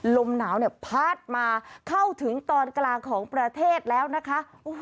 ลมหนาวเนี่ยพัดมาเข้าถึงตอนกลางของประเทศแล้วนะคะ